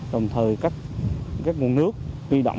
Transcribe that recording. đồng thời các nguồn nước tuy động hai mươi sáu hai trăm linh